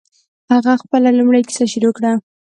هغه خپله لومړۍ کیسه شروع کړه.